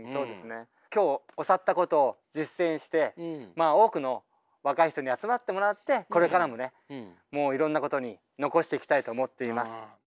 今日教わったことを実践してまあ多くの若い人に集まってもらってこれからもねもういろんなことに残していきたいと思っています。